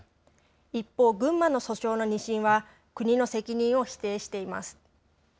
一方、群馬の訴訟の２審は、国の責任を否定しています。